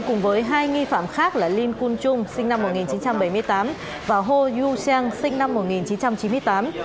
cùng với hai nghi phạm khác là linh cun trung sinh năm một nghìn chín trăm bảy mươi tám và hồ du seng sinh năm một nghìn chín trăm chín mươi tám